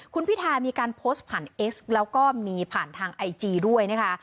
คุณพิธามีการโพสต์ผ่านเอ็กซ์แล้วก็มีผ่านทางไอจีด้วยนะคะ